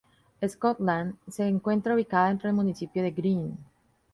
Scotland se encuentra ubicada dentro del municipio de Greene.